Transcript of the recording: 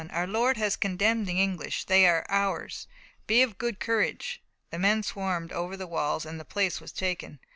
Our Lord has condemned the English! They are ours! Be of good courage!" The men swarmed over the walls, and the place was taken.